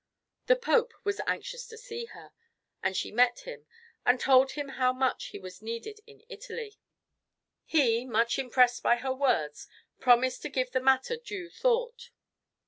The Pope was anxious to see her, and she met him, and told him how much he was needed in Italy. He, much impressed by her words, promised to give the matter due thought.